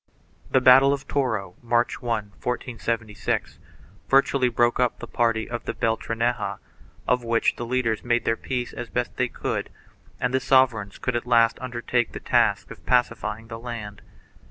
The battle of Toro, March 1T 1476, virtually broke up the party of the Beltraneja, of which the leaders made their peace as best they could, and the sover eigns could at last undertake the task of pacifying the land.